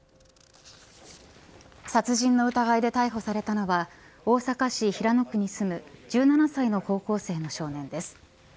殺人の疑いで逮捕されたのは大阪市平野区に住む１７歳の高校生の少年です。